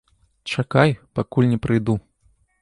Чакай, пакуль не прыйду.